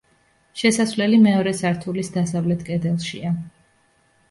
შესასვლელი მეორე სართულის დასავლეთ კედელშია.